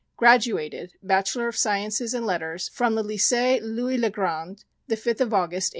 Graduated, Bachelor of Sciences and of Letters, from the Lycée, Louis le Grand, the 5th of August, 1877.